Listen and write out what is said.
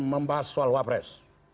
membahas soal wapres